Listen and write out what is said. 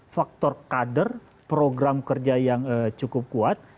faktor kader program kerja yang cukup kuat